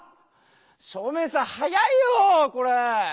照明さん早いよこれ！